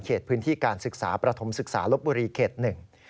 พื้นที่การศึกษาประถมศึกษาลบบุรีเขตหนึ่ง